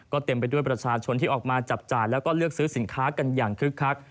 ก็เต็มไปด้วยประชาชนที่ออกมาจับจ่ายแล้วก็เลือกซื้อสินค้ากันอย่างคึกคัก